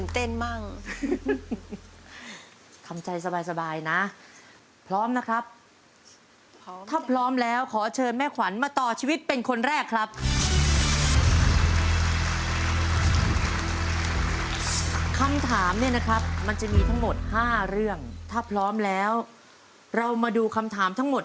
ตอนนี้ผมจะถามเธอนี่สิทธิ์อย่างไรบ้างนะ